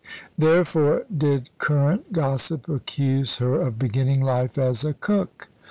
Therefore did current gossip accuse her of beginning life as a cook.